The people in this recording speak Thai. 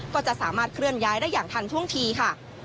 ก็จะสามารถเคลื่อนย้ายได้อย่างทันท่วงทีค่ะ